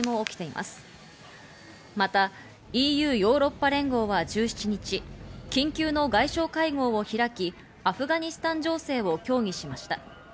またＥＵ＝ヨーロッパ連合は１７日、緊急の外相会合を開き、アフガニスタン情勢を協議しました。